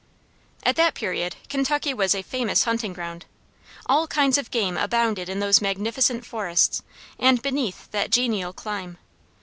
At that period Kentucky was a famous hunting ground! All kinds of game abounded in those magnificent forests and beneath that genial clime.